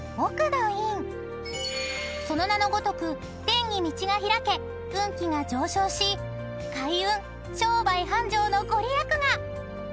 ［その名のごとく天に道が開け運気が上昇し開運商売繁盛の御利益が］